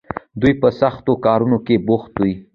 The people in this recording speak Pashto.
دوی په سختو کارونو کې بوخت دي.